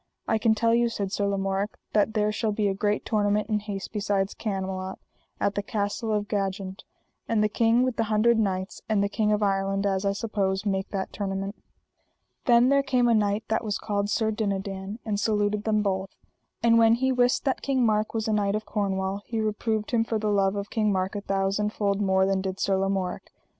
I can tell you, said Sir Lamorak, that there shall be a great tournament in haste beside Camelot, at the Castle of Jagent; and the King with the Hundred Knights and the King of Ireland, as I suppose, make that tournament. Then there came a knight that was called Sir Dinadan, and saluted them both. And when he wist that King Mark was a knight of Cornwall he reproved him for the love of King Mark a thousand fold more than did Sir Lamorak.